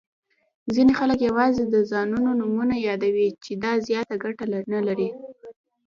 ځیني خلګ یوازي د ځایونو نومونه یادوي، چي دا زیاته ګټه نلري.